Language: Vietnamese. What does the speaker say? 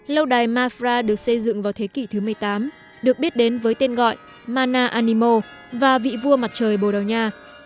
lâu đài mafra được xây dựng vào thế kỷ thứ một mươi tám được biết đến với tên gọi mana animo và vị vua mặt trời bồ đào nha